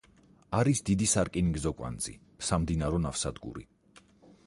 არის დიდი სარკინიგზო კვანძი, სამდინარო ნავსადგური.